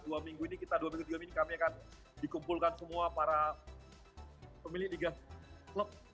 dua minggu ini kita dua minggu dua minggu ini kami akan dikumpulkan semua para pemilih liga klub